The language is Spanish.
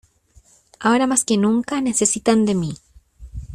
Ahora más que nunca necesitan de mí.